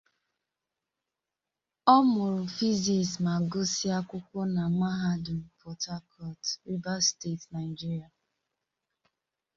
Ọ mụrụ Physics ma gụsịa akwụkwọ na Mahadum Port Harcourt, Rivers State, Naijiria.